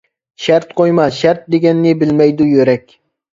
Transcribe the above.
شەرت قويما، شەرت دېگەننى بىلمەيدۇ يۈرەك.